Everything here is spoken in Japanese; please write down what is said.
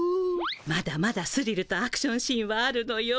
まだまだスリルとアクションシーンはあるのよ。